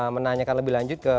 menanyakan lebih lanjut ke